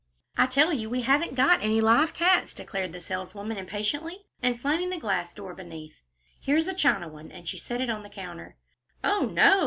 "I tell you we haven't got any live cats," declared the saleswoman, impatiently, and slamming the glass door beneath. "Here's a china one," and she set it on the counter. "Oh, no!"